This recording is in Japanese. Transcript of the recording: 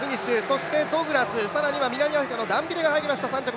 そしてドグラス、更には南アフリカのダンビレが入りました。